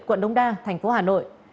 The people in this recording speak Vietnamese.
quận đông đa tp hà nội